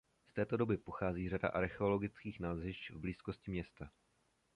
Z této doby pochází řada archeologických nalezišť v blízkosti města.